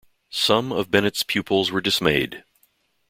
Some of Bennett's pupils were dismayed.